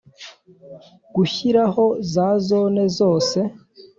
Gushyiraho Za Zone Zose